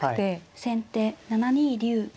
先手７二竜。